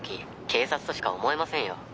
警察としか思えませんよ」